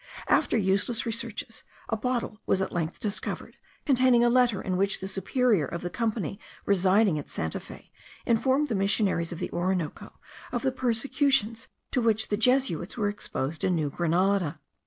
After useless researches, a bottle was at length discovered, containing a letter, in which the Superior of the company residing at Santa Fe informed the missionaries of the Orinoco of the persecutions to which the Jesuits were exposed in New Grenada.